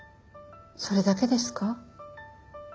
それだけですか？